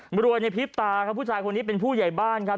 รวยในพริบตาครับผู้ชายคนนี้เป็นผู้ใหญ่บ้านครับ